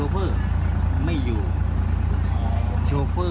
พอรบตู้ตก